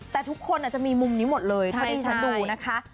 แต่ทุกคนอ่ะจะมีมุมนี้หมดเลยเขาได้ชัดดูนะคะ